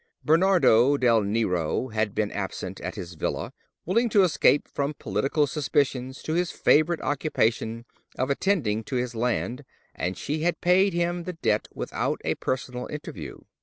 Bernardo del Nero had been absent at his villa, willing to escape from political suspicions to his favourite occupation of attending to his land, and she had paid him the debt without a personal interview.